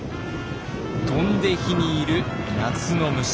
飛んで火に入る夏の虫。